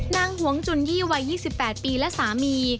หวงจุนยี่วัย๒๘ปีและสามี